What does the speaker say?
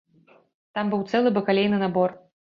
Там быў цэлы бакалейны набор.